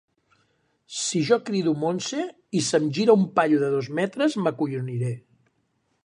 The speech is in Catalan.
Si jo crido Montse i se'm gira un paio de dos metres m'acolloniré.